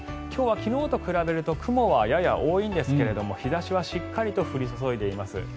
今日は昨日と比べると雲はやや多いんですが日差しはしっかりと降り注いでいます。